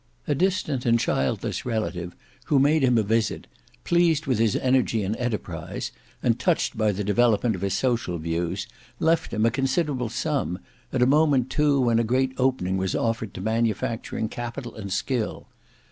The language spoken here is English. A distant and childless relative, who made him a visit, pleased with his energy and enterprise, and touched by the development of his social views, left him a considerable sum, at a moment too when a great opening was offered to manufacturing capital and skill.